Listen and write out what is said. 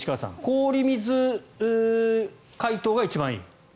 氷水解凍が一番いい。